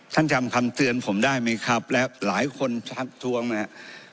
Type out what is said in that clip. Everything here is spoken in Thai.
จำคำเตือนผมได้ไหมครับและหลายคนทักท้วงนะครับ